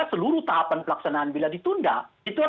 tidak perlu khawatir